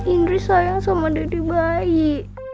indri sayang sama dede bayi